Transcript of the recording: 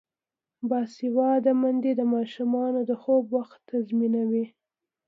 باسواده میندې د ماشومانو د خوب وخت تنظیموي.